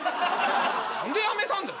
何でやめたんだよ。